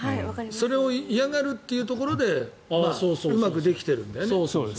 それを嫌がるっていうところでうまくできてるんだよね。